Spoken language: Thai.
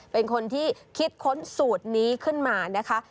เป็นคนที่คิดค้นสูตรนี้ขึ้นมานะคะ